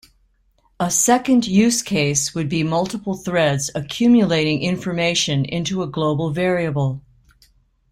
A second use case would be multiple threads accumulating information into a global variable.